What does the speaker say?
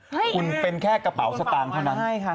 เฮ้ยเกิดเป็นแค่กระเป๋าสตาร์งเท่านั้น